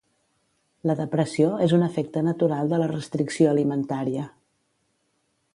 La depressió és un efecte natural de la restricció alimentària.